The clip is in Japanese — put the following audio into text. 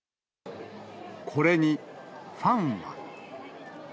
これに、ファンは。